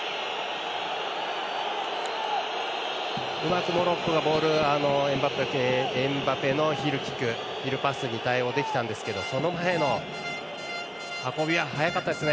うまくモロッコがボールエムバペのヒールパスに対応できたんですけどその前の運びは速かったですね。